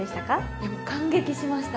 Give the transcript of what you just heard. いやもう感激しました。